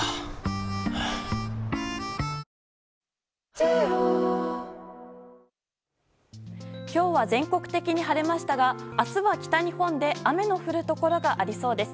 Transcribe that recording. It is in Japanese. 今日は、よく晴れて今日は全国的に晴れましたが明日は北日本で雨の降るところがありそうです。